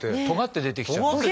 とがって出てきちゃう。